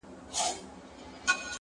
حجره د پښتنو ده څوک به ځي څوک به راځي.!